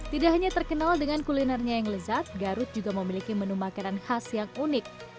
tidak hanya terkenal dengan kulinernya yang lezat garut juga memiliki menu makanan khas yang unik